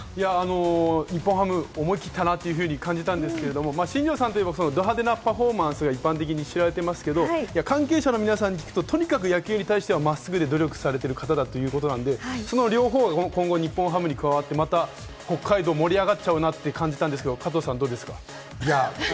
日本ハム、思い切ったなと感じたんですけれども、新庄さんといえば、ど派手なパフォーマンスが一般的に知られてますが、関係者の皆さんに聞くと、とにかく野球に対することが真っすぐで努力されてる方、その両方が今後、日本ハムに加わって北海道、盛り上がっちゃうなと思うんですが加藤さんはどうですか？